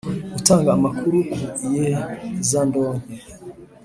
gutanga amakuru ku iyezandonke